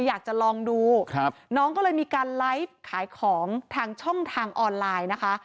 อยากจะลองดูครับน้องก็เลยมีการไลฟ์ขายของทางช่องทางออนไลน์นะคะ